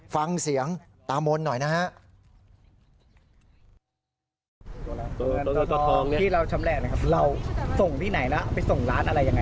ฟังเสียงตามนหน่อยนะฮะ